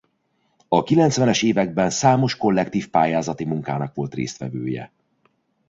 A kilencvenes években számos kollektív pályázati munkának volt résztvevője.